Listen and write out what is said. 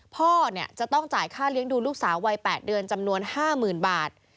พ่อจะต้องจ่ายค่าเลี้ยงดูลูกสาววัย๘เดือนจำนวน๕๐๐๐บาท